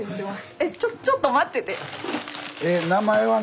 えちょっと待ってて！